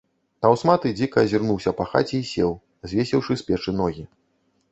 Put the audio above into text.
Таўсматы дзіка азірнуўся па хаце і сеў, звесіўшы з печы ногі.